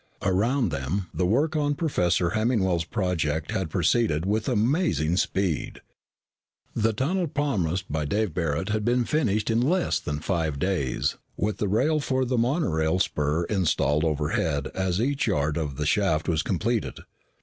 Around them, the work on Professor Hemmingwell's project had proceeded with amazing speed. The tunnel promised by Dave Barret had been finished in less than five days, with the rail for the monorail spur installed overhead as each yard of the shaft was completed.